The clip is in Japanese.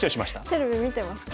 テレビ見てますか？